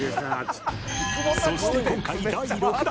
そして今回、第６弾。